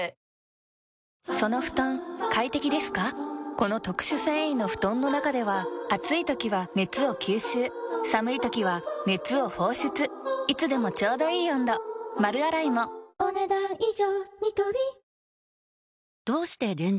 この特殊繊維の布団の中では暑い時は熱を吸収寒い時は熱を放出いつでもちょうどいい温度丸洗いもお、ねだん以上。